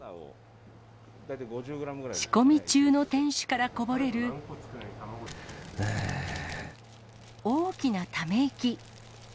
仕込み中の店主からこぼれる大きなため息。